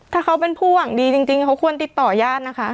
ถ้าเขาเป็นผู้หวังดีจริงเขาควรติดต่อญาตินะคะ